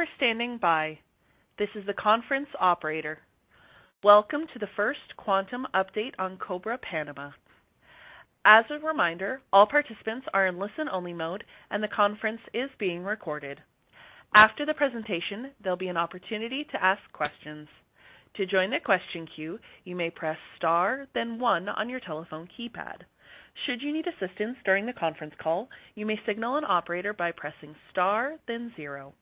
For standing by. This is the conference operator. Welcome to the First Quantum update on Cobre Panamá. As a reminder, all participants are in listen-only mode, and the conference is being recorded. After the presentation, there'll be an opportunity to ask questions. To join the question queue, you may press star, then one on your telephone keypad. Should you need assistance during the conference call, you may signal an operator by pressing star, then zero.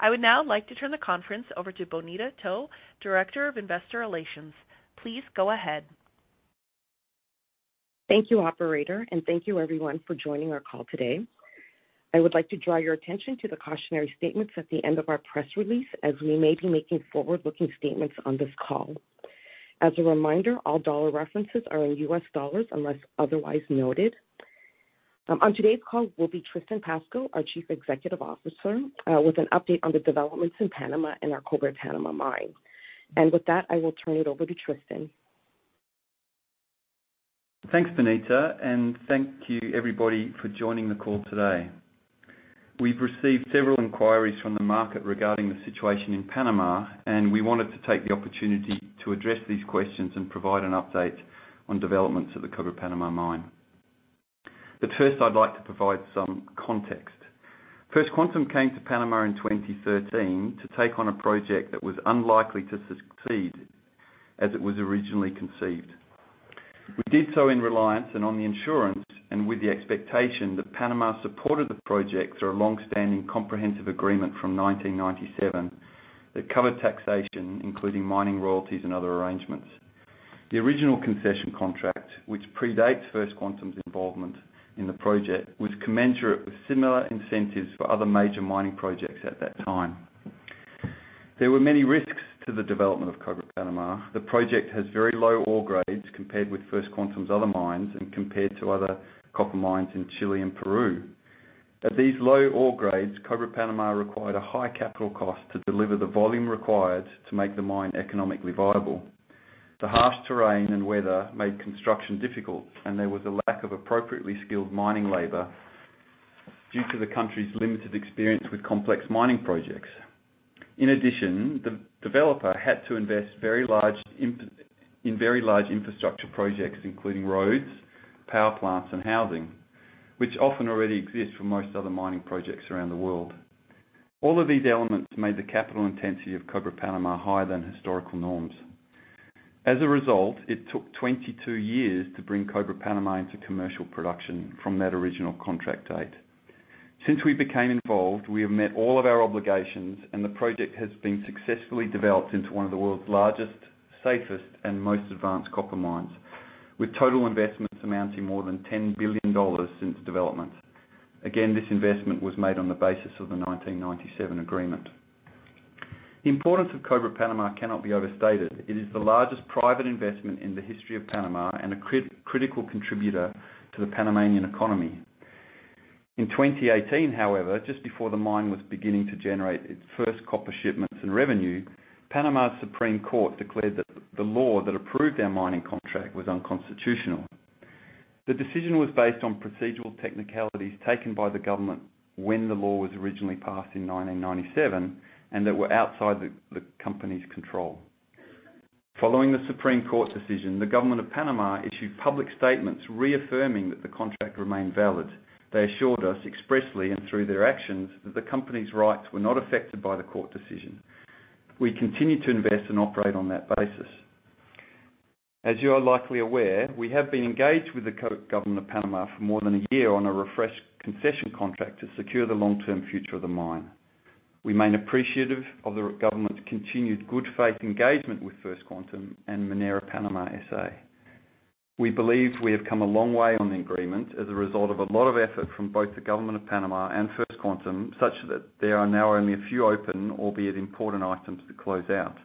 I would now like to turn the conference over to Bonita To, Director of Investor Relations. Please go ahead. Thank you, operator. Thank you everyone for joining our call today. I would like to draw your attention to the cautionary statements at the end of our press release as we may be making forward-looking statements on this call. As a reminder, all dollar references are in U.S. dollars unless otherwise noted. On today's call will be Tristan Pascall, our Chief Executive Officer, with an update on the developments in Panama and our Cobre Panamá mine. With that, I will turn it over to Tristan. Thanks, Bonita. Thank you everybody for joining the call today. We've received several inquiries from the market regarding the situation in Panama. We wanted to take the opportunity to address these questions and provide an update on developments at the Cobre Panamá mine. First, I'd like to provide some context. First Quantum came to Panama in 2013 to take on a project that was unlikely to succeed as it was originally conceived. We did so in reliance and on the insurance and with the expectation that Panama supported the project through a long-standing comprehensive agreement from 1997 that covered taxation, including mining royalties and other arrangements. The original concession contract, which predates First Quantum's involvement in the project, was commensurate with similar incentives for other major mining projects at that time. There were many risks to the development of Cobre Panamá. The project has very low ore grades compared with First Quantum's other mines and compared to other copper mines in Chile and Peru. At these low ore grades, Cobre Panamá required a high capital cost to deliver the volume required to make the mine economically viable. There was a lack of appropriately skilled mining labor due to the country's limited experience with complex mining projects. In addition, the developer had to invest in very large infrastructure projects, including roads, power plants, and housing, which often already exist for most other mining projects around the world. All of these elements made the capital intensity of Cobre Panamá higher than historical norms. As a result, it took 22 years to bring Cobre Panamá into commercial production from that original contract date. Since we became involved, we have met all of our obligations, and the project has been successfully developed into one of the world's largest, safest, and most advanced copper mines, with total investments amounting more than $10 billion since development. This investment was made on the basis of the 1997 Agreement. The importance of Cobre Panamá cannot be overstated. It is the largest private investment in the history of Panama and a critical contributor to the Panamanian economy. In 2018, however, just before the mine was beginning to generate its first copper shipments and revenue, Panama's Supreme Court declared that the law that approved our mining contract was unconstitutional. The decision was based on procedural technicalities taken by the government when the law was originally passed in 1997 and that were outside the company's control. Following the Supreme Court decision, the Government of Panama issued public statements reaffirming that the contract remained valid. They assured us expressly and through their actions that the company's rights were not affected by the court decision. We continued to invest and operate on that basis. As you are likely aware, we have been engaged with the Government of Panama for more than a year on a refreshed concession contract to secure the long-term future of the mine. We remain appreciative of the government's continued good faith engagement with First Quantum and Minera Panamá, S.A. We believe we have come a long way on the agreement as a result of a lot of effort from both the Government of Panama and First Quantum, such that there are now only a few open, albeit important items to close out.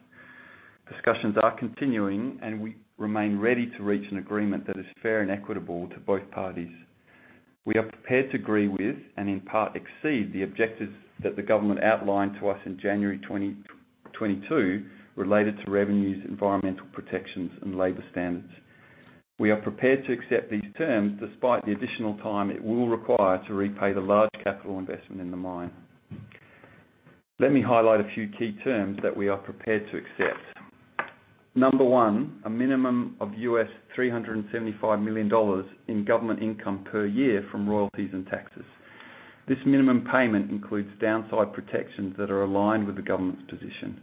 Discussions are continuing. We remain ready to reach an agreement that is fair and equitable to both parties. We are prepared to agree with and, in part, exceed the objectives that the government outlined to us in January 2022 related to revenues, environmental protections, and labor standards. We are prepared to accept these terms despite the additional time it will require to repay the large capital investment in the mine. Let me highlight a few key terms that we are prepared to accept. Number one, a minimum of $375 million in government income per year from royalties and taxes. This minimum payment includes downside protections that are aligned with the government's position.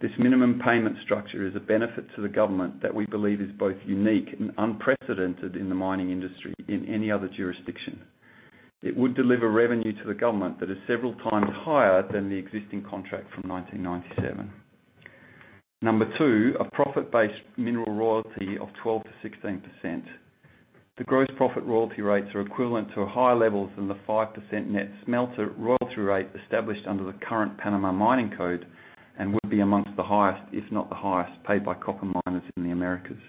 This minimum payment structure is a benefit to the government that we believe is both unique and unprecedented in the mining industry in any other jurisdiction. It would deliver revenue to the government that is several times higher than the existing contract from 1997. Number two, a profit-based mineral royalty of 12%-16%. The gross profit royalty rates are equivalent to higher levels than the 5% Net Smelter Royalty rate established under the current Panama Mining Code and would be amongst the highest, if not the highest, paid by copper miners in the Americas.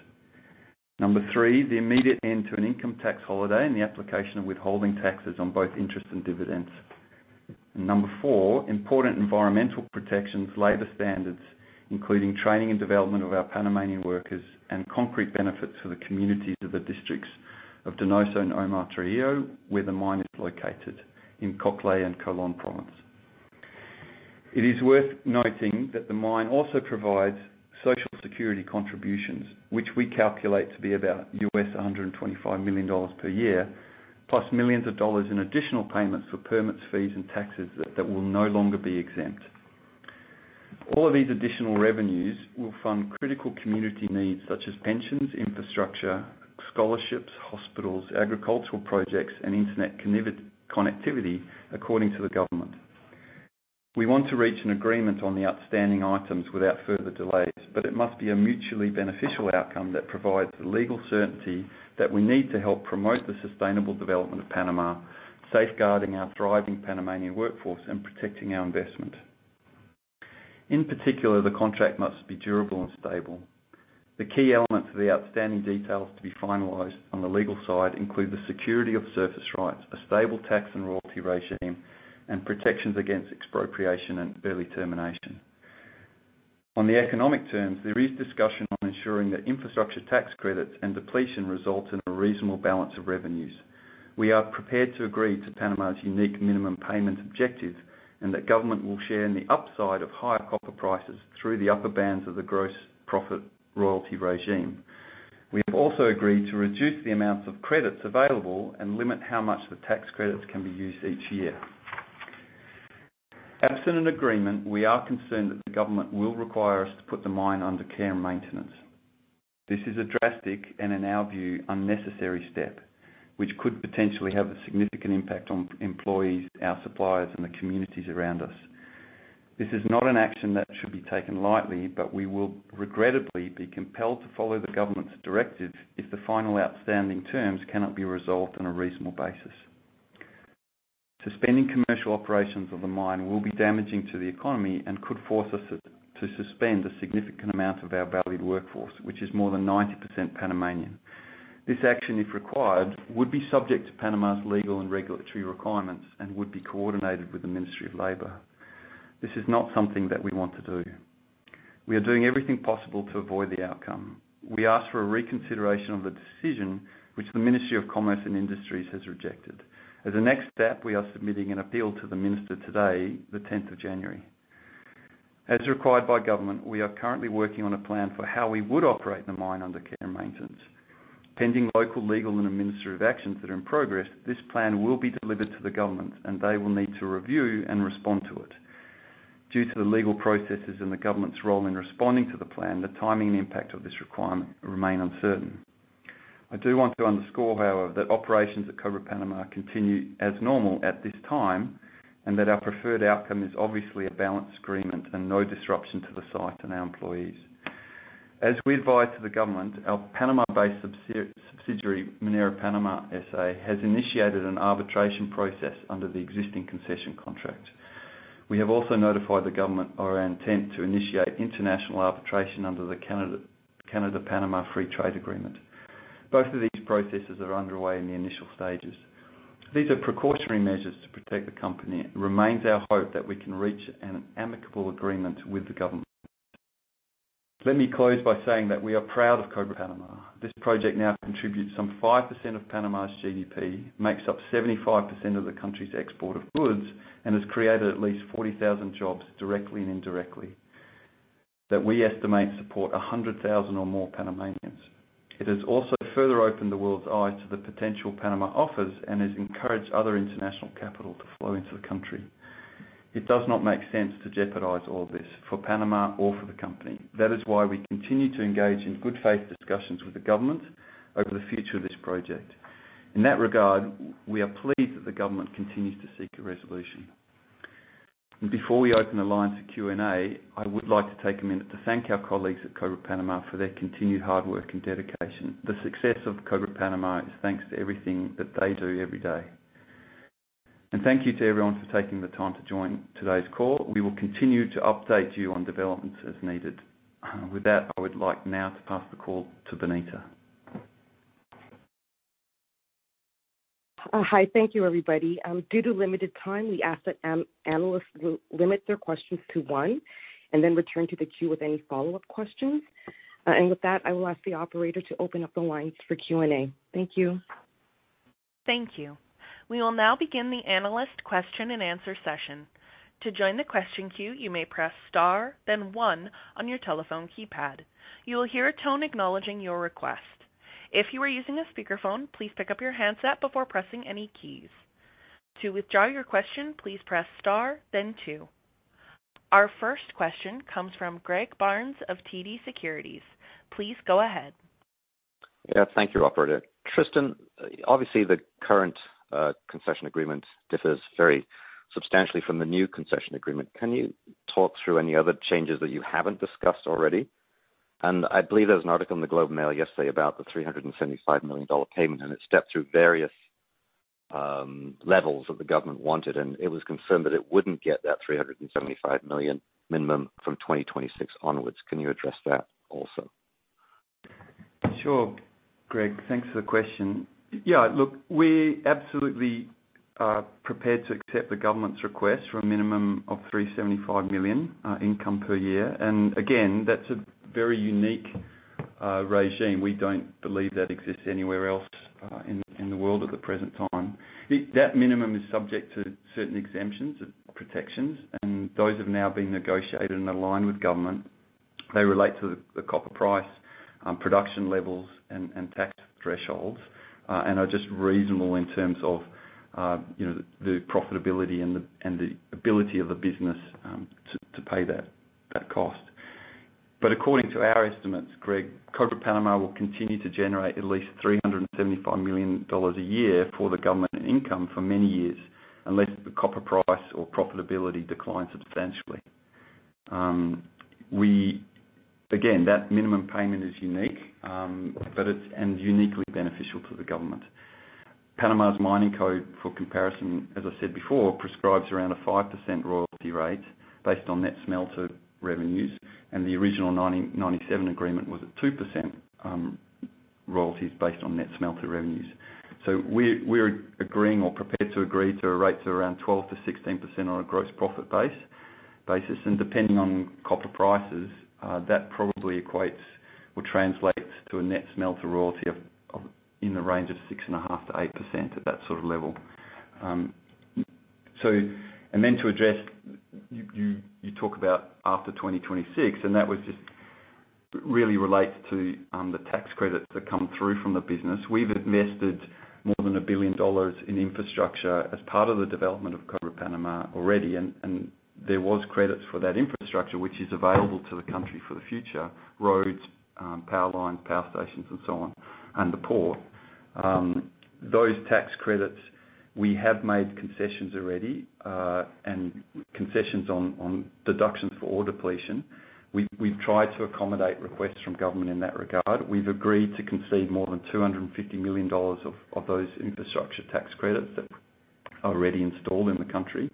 Number three, the immediate end to an income tax holiday and the application of withholding taxes on both interest and dividends. Number four, important environmental protections, labor standards, including training and development of our Panamanian workers, and concrete benefits for the communities of the districts of Donoso and Omar Torrijos, where the mine is located in Coclé and Colón province. It is worth noting that the mine also provides Social Security contributions, which we calculate to be about $125 million per year, plus millions of dollars in additional payments for permits, fees, and taxes that will no longer be exempt. All of these additional revenues will fund critical community needs such as pensions, infrastructure, scholarships, hospitals, agricultural projects, and internet connectivity according to the government. We want to reach an agreement on the outstanding items without further delays, it must be a mutually beneficial outcome that provides the legal certainty that we need to help promote the sustainable development of Panama, safeguarding our thriving Panamanian workforce and protecting our investment. In particular, the contract must be durable and stable. The key elements of the outstanding details to be finalized on the legal side include the security of surface rights, a stable tax and royalty regime, and protections against expropriation and early termination. On the economic terms, there is discussion on ensuring that infrastructure tax credits and depletion results in a reasonable balance of revenues. We are prepared to agree to Panama's unique minimum payment objective and that government will share in the upside of higher copper prices through the upper bands of the gross profit royalty regime. We have also agreed to reduce the amounts of credits available and limit how much the tax credits can be used each year. Absent an agreement, we are concerned that the government will require us to put the mine under care and maintenance. This is a drastic and, in our view, unnecessary step, which could potentially have a significant impact on employees, our suppliers, and the communities around us. This is not an action that should be taken lightly. We will regrettably be compelled to follow the government's directive if the final outstanding terms cannot be resolved on a reasonable basis. Suspending commercial operations of the mine will be damaging to the economy and could force us to suspend a significant amount of our valued workforce, which is more than 90% Panamanian. This action, if required, would be subject to Panama's legal and regulatory requirements and would be coordinated with the Ministry of Labor. This is not something that we want to do. We are doing everything possible to avoid the outcome. We asked for a reconsideration of the decision which the Ministry of Commerce and Industries has rejected. As a next step, we are submitting an appeal to the Minister today, the 10th of January. As required by government, we are currently working on a plan for how we would operate the mine under care and maintenance. Pending local, legal, and administrative actions that are in progress, this plan will be delivered to the government, and they will need to review and respond to it. Due to the legal processes and the government's role in responding to the plan, the timing and impact of this requirement remain uncertain. I do want to underscore, however, that operations at Cobre Panamá continue as normal at this time and that our preferred outcome is obviously a balanced agreement and no disruption to the site and our employees. As we advise to the government, our Panama-based subsidiary, Minera Panamá, S.A., has initiated an arbitration process under the existing concession contract. We have also notified the government of our intent to initiate international arbitration under the Canada-Panama Free Trade Agreement. Both of these processes are underway in the initial stages. These are precautionary measures to protect the company. It remains our hope that we can reach an amicable agreement with the government. Let me close by saying that we are proud of Cobre Panamá. This project now contributes some 5% of Panama's GDP, makes up 75% of the country's export of goods, and has created at least 40,000 jobs directly and indirectly that we estimate support 100,000 or more Panamanians. It has also further opened the world's eyes to the potential Panama offers and has encouraged other international capital to flow into the country. It does not make sense to jeopardize all this for Panama or for the company. That is why we continue to engage in good faith discussions with the government over the future of this project. In that regard, we are pleased that the government continues to seek a resolution. Before we open the line to Q&A, I would like to take a minute to thank our colleagues at Cobre Panamá for their continued hard work and dedication. The success of Cobre Panamá is thanks to everything that they do every day. Thank you to everyone for taking the time to join today's call. We will continue to update you on developments as needed. With that, I would like now to pass the call to Bonita. Hi. Thank you, everybody. Due to limited time, we ask that analysts limit their questions to one and then return to the queue with any follow-up questions. With that, I will ask the operator to open up the lines for Q&A. Thank you. Thank you. We will now begin the analyst question-and-answer session. To join the question queue, you may press star then one on your telephone keypad. You will hear a tone acknowledging your request. If you are using a speakerphone, please pick up your handset before pressing any keys. To withdraw your question, please press star then two. Our first question comes from Greg Barnes of TD Securities. Please go ahead. Yeah. Thank you, operator. Tristan, obviously, the current concession agreement differs very substantially from the new concession agreement. Can you talk through any other changes that you haven't discussed already? I believe there was an article in The Globe and Mail yesterday about the $375 million payment, and it stepped through various levels that the government wanted, and it was confirmed that it wouldn't get that $375 million minimum from 2026 onwards. Can you address that also? Sure. Greg, thanks for the question. Yeah, look, we absolutely are prepared to accept the government's request for a minimum of $375 million income per year. Again, that's a very unique regime. We don't believe that exists anywhere else in the world at the present time. That minimum is subject to certain exemptions and protections, and those have now been negotiated and aligned with government. They relate to the copper price, production levels and tax thresholds, and are just reasonable in terms of, you know, the profitability and the ability of the business to pay that cost. According to our estimates, Greg, Cobre Panamá will continue to generate at least $375 million a year for the government in income for many years, unless the copper price or profitability declines substantially. Again, that minimum payment is unique, but it's uniquely beneficial to the government. Panama's mining code for comparison, as I said before, prescribes around a 5% royalty rate based on net smelter revenues, the original 1997 Agreement was at 2% royalties based on net smelter revenues. We're agreeing or prepared to agree to a rate of around 12%-16% on a gross profit basis. Depending on copper prices, that probably equates or translates to a Net Smelter Royalty of in the range of 6.5%-8% at that sort of level. To address you talk about after 2026, that was just really relates to the tax credits that come through from the business. We've invested more than $1 billion in infrastructure as part of the development of Cobre Panamá already, there was credits for that infrastructure which is available to the country for the future, roads, power lines, power stations and so on, and the port. Those tax credits, we have made concessions already, concessions on deductions for ore depletion. We've tried to accommodate requests from government in that regard. We've agreed to concede more than $250 million of those infrastructure tax credits that are already installed in the country.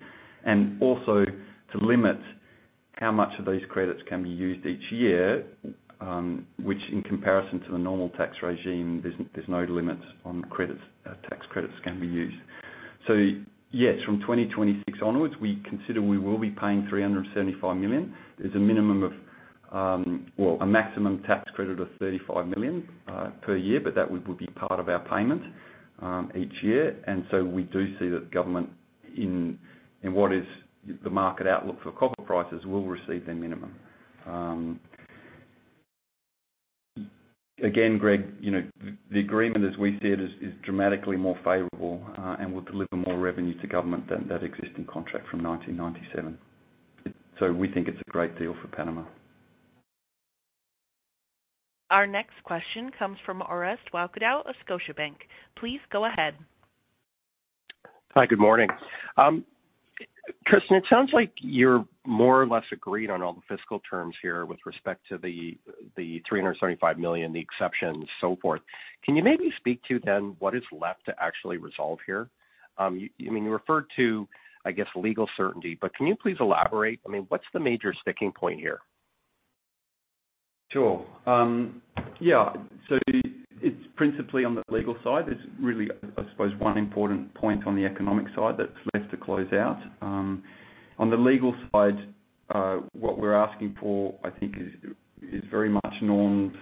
Also to limit how much of these credits can be used each year, which in comparison to the normal tax regime, there's no limits on credits, tax credits can be used. Yes, from 2026 onwards, we consider we will be paying $375 million. There's a minimum of. Well, a maximum tax credit of $35 million per year, but that would be part of our payment each year. We do see that government in what is the market outlook for copper prices will receive their minimum. Again, Greg, you know, the agreement as we see it is dramatically more favorable and will deliver more revenue to government than that existing contract from 1997. We think it's a great deal for Panama. Our next question comes from Orest Wowkodaw of Scotiabank. Please go ahead. Hi, good morning. Tristan, it sounds like you're more or less agreed on all the fiscal terms here with respect to the $375 million, the exceptions, so forth. Can you maybe speak to what is left to actually resolve here? You, I mean, you referred to, I guess, legal certainty, can you please elaborate? I mean, what's the major sticking point here? Sure. Yeah. It's principally on the legal side. There's really, I suppose, one important point on the economic side that's left to close out. On the legal side, what we're asking for, I think is very much normed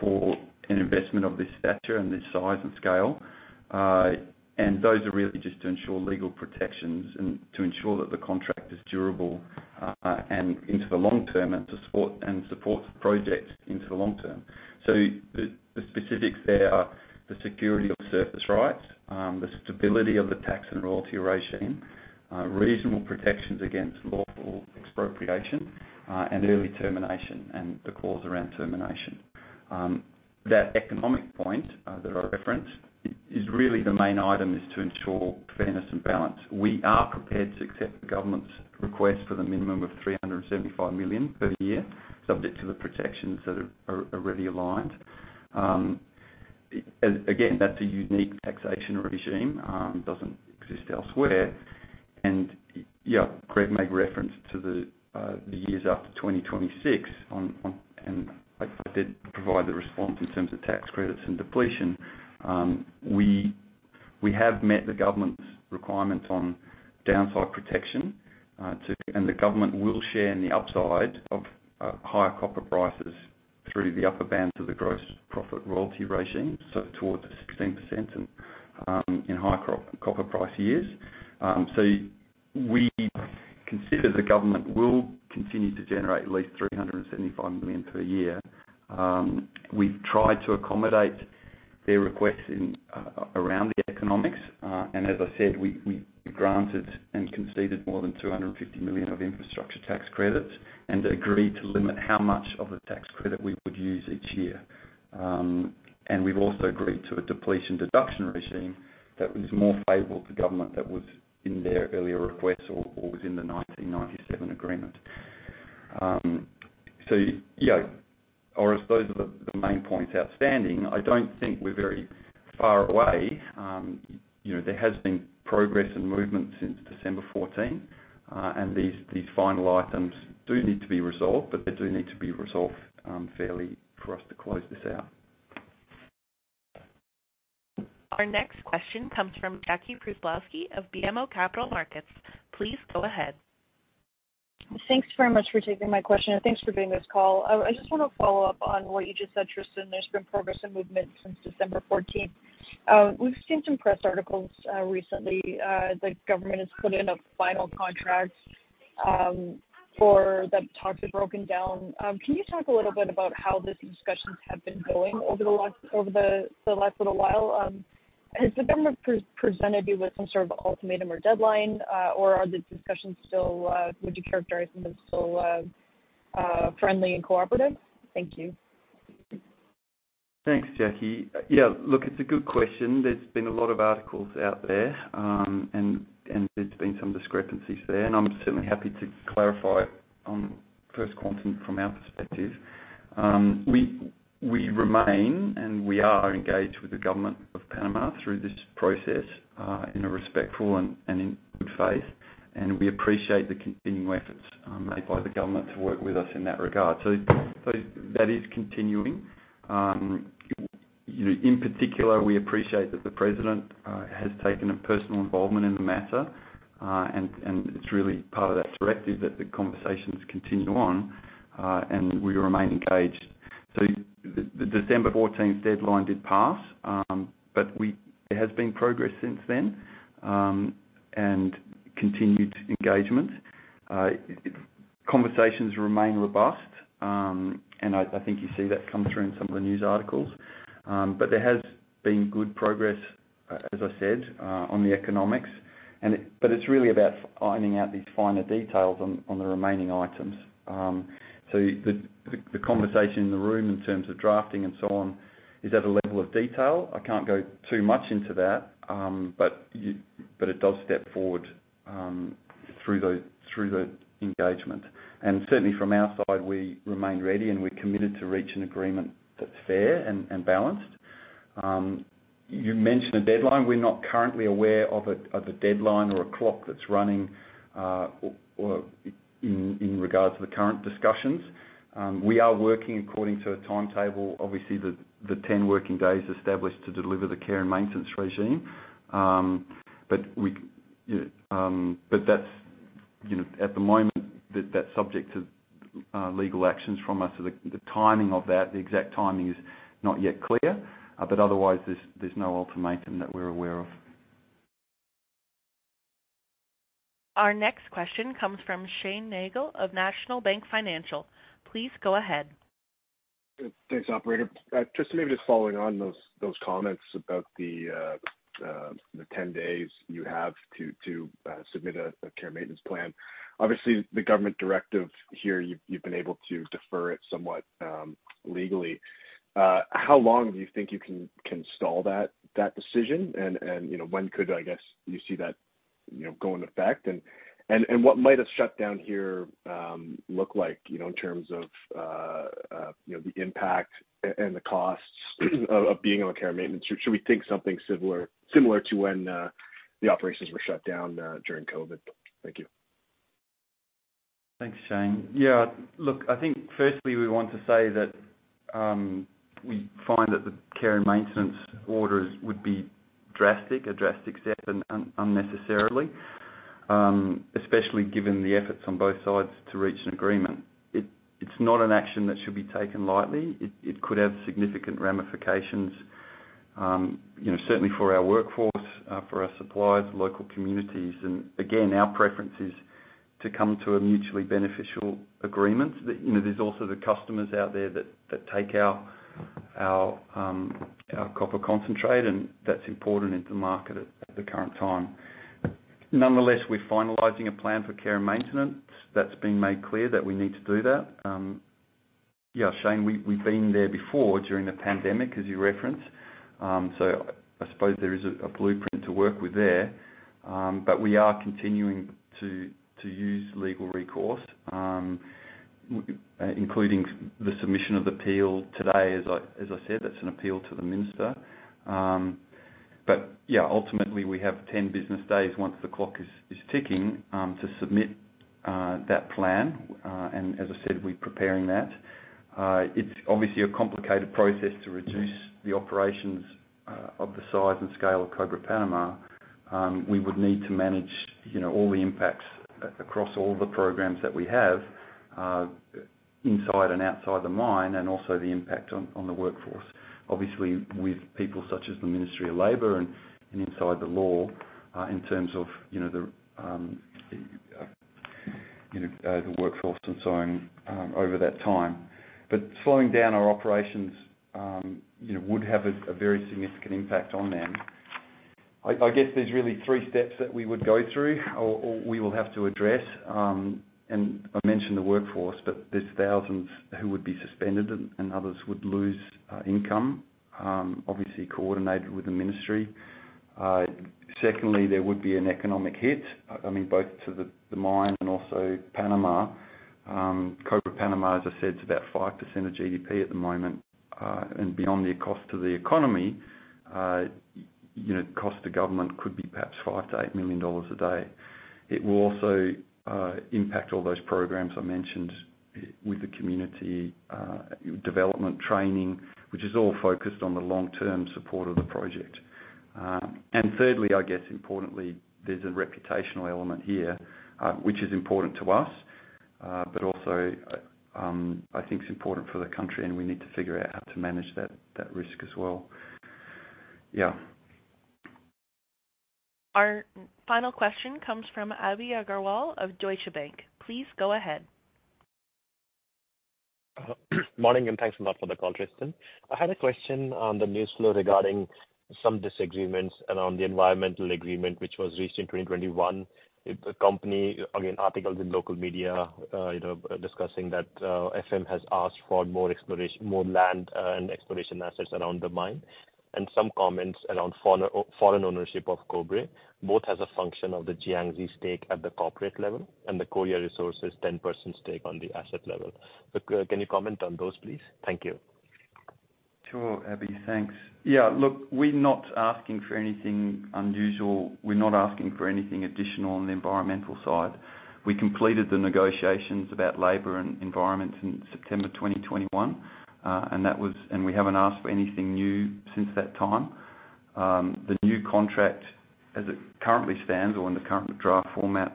for an investment of this stature and this size and scale. Those are really just to ensure legal protections and to ensure that the contract is durable and into the long term and supports the project into the long term. The specifics there are the security of surface rights, the stability of the tax and royalty regime, reasonable protections against lawful expropriation, and early termination and the clause around termination. That economic point that I referenced is really the main item, is to ensure fairness and balance. We are prepared to accept the government's request for the minimum of $375 million per year, subject to the protections that are already aligned. Again, that's a unique taxation regime, doesn't exist elsewhere. Yeah, Greg made reference to the years after 2026, and I did provide the response in terms of tax credits and depletion. We have met the government's requirements on downside protection. The government will share in the upside of higher copper prices through the upper bands of the gross revenue royalty regime, so towards 16% and in high copper price years. We consider the government will continue to generate at least $375 million per year. We've tried to accommodate their requests in around the economics. As I said, we granted and conceded more than $250 million of infrastructure tax credits and agreed to limit how much of the tax credit we would use each year. We've also agreed to a depletion deduction regime that was more favorable to government that was in their earlier request or was in the 1997 Agreement. Yeah. Orest, those are the main points outstanding. I don't think we're very far away. You know, there has been progress and movement since December 14th, and these final items do need to be resolved, but they do need to be resolved fairly for us to close this out. Our next question comes from Jackie Przybylowski of BMO Capital Markets. Please go ahead. Thanks very much for taking my question, and thanks for doing this call. I just want to follow up on what you just said, Tristan. There's been progress and movement since December 14th. We've seen some press articles recently, the government has put in a final contract for the talks have broken down. Can you talk a little bit about how the discussions have been going over the last little while? Has the government presented you with some sort of ultimatum or deadline, or are the discussions still friendly and cooperative? Thank you. Thanks, Jackie. Yeah, look, it's a good question. There's been a lot of articles out there, and there's been some discrepancies there, and I'm certainly happy to clarify on First Quantum from our perspective. We remain, and we are engaged with the Government of Panama through this process, in a respectful and in good faith. We appreciate the continuing efforts made by the government to work with us in that regard. That is continuing. You know, in particular, we appreciate that the president has taken a personal involvement in the matter, and it's really part of that directive that the conversations continue on, and we remain engaged. The December 14th deadline did pass, there has been progress since then, and continued engagement. Conversations remain robust. I think you see that come through in some of the news articles. There has been good progress, as I said, on the economics. It's really about ironing out these finer details on the remaining items. The conversation in the room in terms of drafting and so on is at a level of detail. I can't go too much into that, but it does step forward through the engagement. Certainly from our side, we remain ready, and we're committed to reach an agreement that's fair and balanced. You mentioned a deadline. We're not currently aware of a deadline or a clock that's running or in regards to the current discussions. We are working according to a timetable. Obviously, the 10 working days established to deliver the care and maintenance regime. We, but that's, you know, at the moment, that's subject to legal actions from us. The, the timing of that, the exact timing is not yet clear. Otherwise, there's no ultimatum that we're aware of. Our next question comes from Shane Nagle of National Bank Financial. Please go ahead. Thanks, operator. Just maybe just following on those comments about the 10 days you have to submit a care and maintenance plan. Obviously, the government directive here, you've been able to defer it somewhat, legally. How long do you think you can stall that decision? You know, when could, I guess, you see that, you know, go in effect? What might a shutdown here, look like, you know, in terms of, you know, the impact and the costs of being on care and maintenance? Should we think something similar to when the operations were shut down during COVID? Thank you. Thanks, Shane. Yeah, look, I think firstly, we want to say that we find that the care and maintenance orders would be drastic, a drastic step unnecessarily, especially given the efforts on both sides to reach an agreement. It's not an action that should be taken lightly. It could have significant ramifications, you know, certainly for our workforce, for our suppliers, local communities. Again, our preference is to come to a mutually beneficial agreement. You know, there's also the customers out there that take our copper concentrate, and that's important in the market at the current time. Nonetheless, we're finalizing a plan for care and maintenance that's been made clear that we need to do that. Yeah, Shane, we've been there before during the pandemic, as you referenced. I suppose there is a blueprint to work with there. We are continuing to use legal recourse, including the submission of appeal today, as I said, that's an appeal to the minister. Ultimately we have 10 business days once the clock is ticking, to submit that plan. As I said, we're preparing that. It's obviously a complicated process to reduce the operations of the size and scale of Cobre Panamá. We would need to manage, you know, all the impacts across all the programs that we have, inside and outside the mine, and also the impact on the workforce. Obviously, with people such as the Ministry of Labor and inside the law, in terms of, you know, the, you know, the workforce and so on, over that time. Slowing down our operations, you know, would have a very significant impact on them. I guess there's really three steps that we would go through or we will have to address, and I mentioned the workforce, but there's thousands who would be suspended and others would lose income, obviously coordinated with the ministry. Secondly, there would be an economic hit, I mean, both to the mine and also Panama. Cobre Panamá, as I said, is about 5% of GDP at the moment. Beyond the cost to the economy, You know, cost to government could be perhaps $5 million-$8 million a day. It will also impact all those programs I mentioned with the community, development training, which is all focused on the long-term support of the project. Thirdly, I guess importantly, there's a reputational element here, which is important to us, but also, I think it's important for the country, and we need to figure out how to manage that risk as well. Yeah. Our final question comes from Abhi Agarwal of Deutsche Bank. Please go ahead. Morning, thanks a lot for the call, Tristan. I had a question on the news flow regarding some disagreements around the environmental agreement which was reached in 2021. Again, articles in local media, you know, discussing that FM has asked for more exploration, more land, and exploration assets around the mine. Some comments around foreign ownership of Cobre, both as a function of the Jiangxi stake at the corporate level and the Korea Resources 10% stake on the asset level. Can you comment on those, please? Thank you. Sure, Abhi. Thanks. Look, we're not asking for anything unusual. We're not asking for anything additional on the environmental side. We completed the negotiations about labor and environment in September 2021. We haven't asked for anything new since that time. The new contract, as it currently stands or in the current draft format,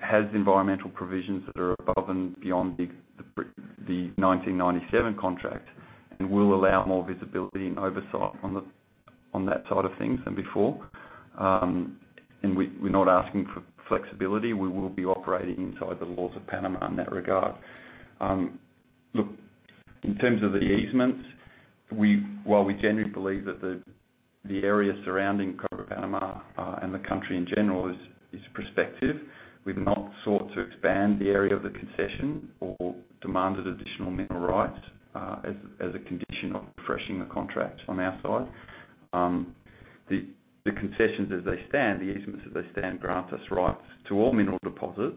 has environmental provisions that are above and beyond the 1997 Contract and will allow more visibility and oversight on that side of things than before. We, we're not asking for flexibility. We will be operating inside the laws of Panama in that regard. Look, in terms of the easements, while we generally believe that the area surrounding Cobre Panamá and the country in general is prospective, we've not sought to expand the area of the concession or demanded additional mineral rights as a condition of refreshing the contract on our side. The concessions as they stand, the easements as they stand, grant us rights to all mineral deposits.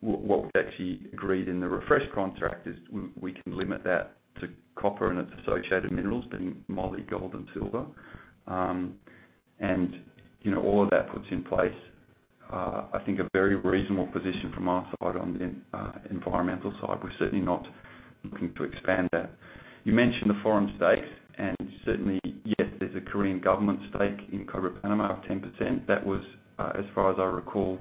What we've actually agreed in the refresh contract is we can limit that to copper and its associated minerals, being moly, gold, and silver. You know, all of that puts in place, I think, a very reasonable position from our side on the environmental side. We're certainly not looking to expand that. Certainly, yes, there's a Korean government stake in Cobre Panamá of 10%. That was, as far as I recall,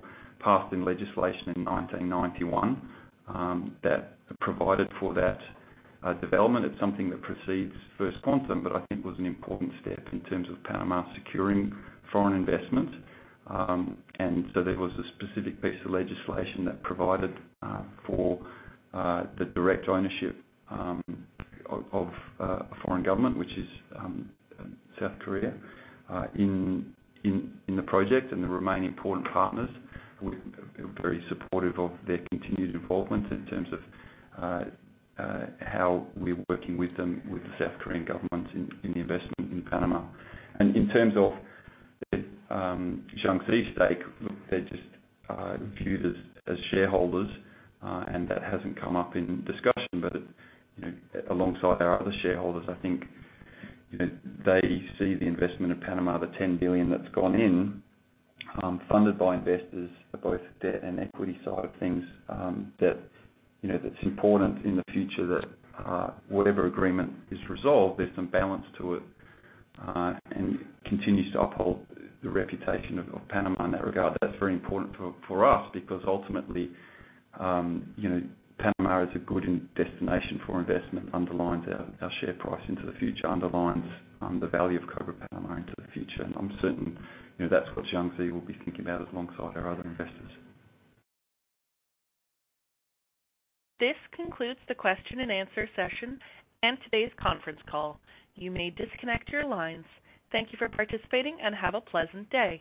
passed in legislation in 1991, that provided for that development. It's something that precedes First Quantum, but I think was an important step in terms of Panama securing foreign investment. There was a specific piece of legislation that provided for the direct ownership of foreign government, which is South Korea, in the project and the remaining important partners. We're very supportive of their continued involvement in terms of how we're working with them, with the South Korean government in the investment in Panama. In terms of the Jiangxi stake, they're just viewed as shareholders, and that hasn't come up in discussion. You know, alongside our other shareholders, I think, you know, they see the investment in Panama, the $10 billion that's gone in, funded by investors for both debt and equity side of things, that, you know, that's important in the future that whatever agreement is resolved, there's some balance to it, and continues to uphold the reputation of Panama in that regard. That's very important for us, because ultimately, you know, Panama is a good destination for investment, underlines our share price into the future, underlines the value of Cobre Panamá into the future. I'm certain, you know, that's what Jiangxi will be thinking about alongside our other investors. This concludes the question-and-answer session and today's conference call. You may disconnect your lines. Thank you for participating, and have a pleasant day.